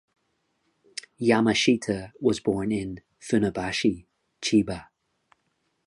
Yamashita was born in Funabashi, Chiba.